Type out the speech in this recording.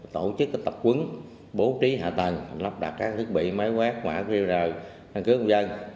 tổ chức các tập quấn bố trí hạ tầng lắp đặt các thiết bị máy quét quả rêu rời thăng cứu công dân